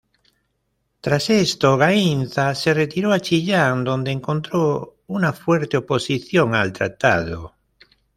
Tras esto, Gaínza se retiró a Chillán, donde encontró una fuerte oposición al tratado.